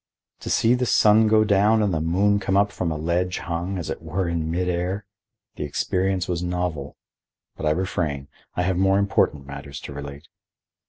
To see the sun go down and the moon come up from a ledge hung, as it were, in mid air! The experience was novel—but I refrain. I have more important matters to relate.